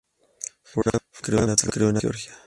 Fuhrman se crio en Atlanta, Georgia.